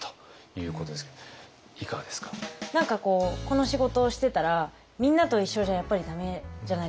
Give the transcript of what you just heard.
何かこうこの仕事をしてたらみんなと一緒じゃやっぱり駄目じゃないですか。